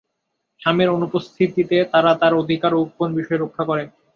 স্বামীর অনুপস্থিতিতে তারা তার অধিকার ও গোপন বিষয় রক্ষা করে।